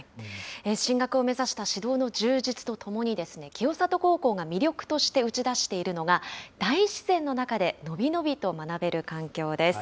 進学を目指した指導の充実とともに、清里高校が魅力として打ち出しているのが、大自然の中で、伸び伸びと学べる環境です。